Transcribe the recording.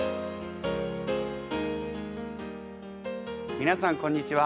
皆さんこんにちは。